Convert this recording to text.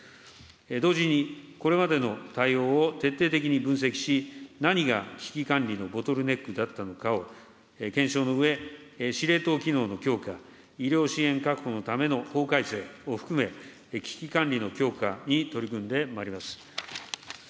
同時に、これまでの対応を徹底的に分析し、何が危機管理のボトルネックだったのかを検証のうえ、司令塔機能の強化、医療支援確保のための法改正を含め、危機管理の強化に取り組んでまいります。